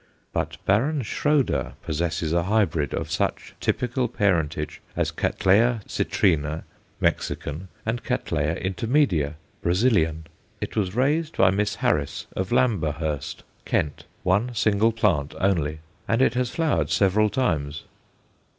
But Baron Schroeder possesses a hybrid of such typical parentage as Catt. citrina, Mexican, and Catt. intermedia, Brazilian. It was raised by Miss Harris, of Lamberhurst, Kent, one single plant only; and it has flowered several times.